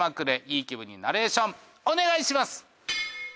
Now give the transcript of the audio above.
いい気分にナレーションお願いします。